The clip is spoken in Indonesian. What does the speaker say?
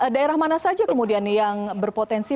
daerah mana saja kemudian yang berpotensi